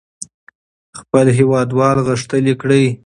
خپل هېوادوال غښتلي کړئ.